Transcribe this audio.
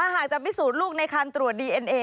หากจะพิสูจน์ลูกในคันตรวจดีเอ็นเอ